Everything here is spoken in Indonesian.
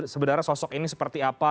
sebenarnya sosok ini seperti apa